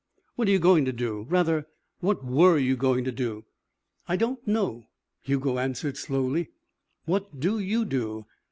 What are you going to do? Rather, what were you going to do?" "I don't know," Hugo answered slowly. "What do you do?